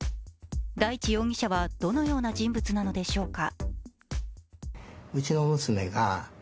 大地容疑者はどのような人物なのでしょうか。